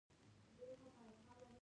خدای دې غیبي چاره وکړه